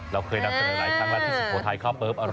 เราเคยนำเสนอหลายครั้งแล้วที่สุโขทัยข้าวเปิ๊บอร่อย